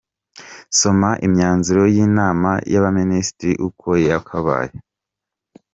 Soma imyanzuro y’Inama y’Abaminisitiri uko yakabaye.